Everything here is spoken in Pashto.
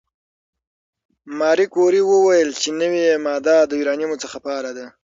ماري کوري وویل چې نوې ماده د یورانیم څخه فعاله ده.